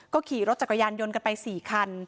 ขี่รถจักรยานยนต์กันไป๔คัน